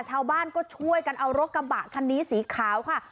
ชาวบ้านก็ช่วยกันเอารถกระบะคันนี้สีขาวค่ะ